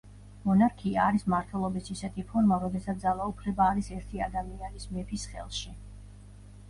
მონარქია არის მმართველობის ისეთი ფორმა, როდესაც ძალაუფლება არის ერთი ადამიანის, მეფის ხელში.